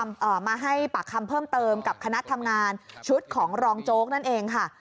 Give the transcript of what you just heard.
เอ่อมาให้ปากคำเพิ่มเติมกับคณะทำงานชุดของรองโจ๊กนั่นเองค่ะ